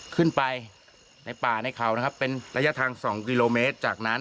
ขึ้นไปในป่าในเขานะครับเป็นระยะทาง๒กิโลเมตรจากนั้น